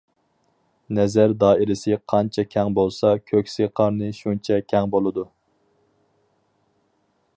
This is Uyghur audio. نەزەر دائىرىسى قانچە كەڭ بولسا، كۆكسى- قارنى شۇنچە كەڭ بولىدۇ.